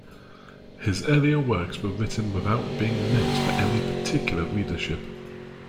His earlier works were written without being meant for any particular readership.